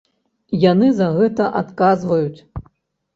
Яны за гэта адказваюць.